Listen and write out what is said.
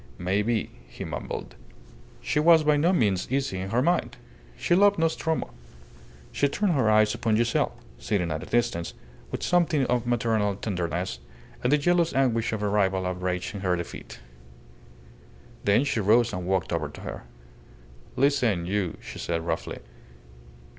May be," he mumbled. She was by no means easy in her mind. She loved Nostromo. She turned her eyes upon Giselle, sitting at a distance, with something of maternal tenderness, and the jealous anguish of a rival outraged in her defeat. Then she rose and walked over to her. "Listen you," she said, roughly.